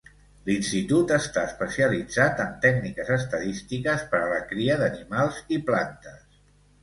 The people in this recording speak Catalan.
L'institut està especialitzat en tècniques estadístiques per a la cria d'animals i plantes.